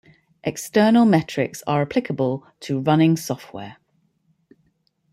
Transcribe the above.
External metrics are applicable to running software.